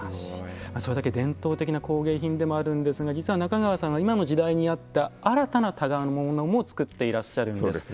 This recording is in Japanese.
それだけ伝統的な工芸品でもあるんですが実は中川さんは今の時代に合った新たな箍物も作っていらっしゃるんです。